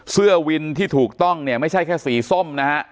เสื้อวินที่ถูกต้องไม่ใช่แค่สีส้ม